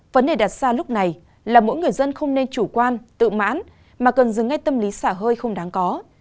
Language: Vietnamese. vấn đề đặt ra lúc này là mỗi người dân không nên chủ quan tự mãn mà cần dừng ngay tâm lý xả hơi không đáng có